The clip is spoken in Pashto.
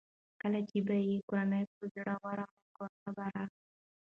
کله چې به یې کورنۍ په زړه ورغله کورته به راغی.